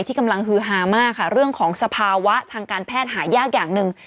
กำลังฮือฮามากค่ะเรื่องของสภาวะทางการแพทย์หายากอย่างหนึ่ง